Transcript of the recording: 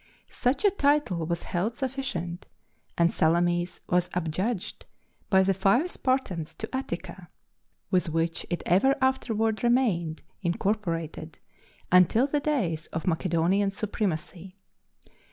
Such a title was held sufficient, and Salamis was adjudged by the five Spartans to Attica, with which it ever afterward remained incorporated until the days of Macedonian supremacy.